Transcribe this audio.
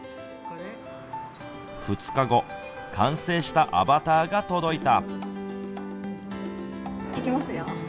２日後完成したアバターが届いた。